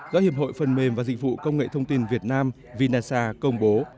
do hiệp hội phần mềm và dịch vụ công nghệ thông tin việt nam vinasa công bố